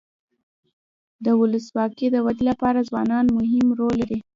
د ولسواکۍ د ودي لپاره ځوانان مهم رول لري.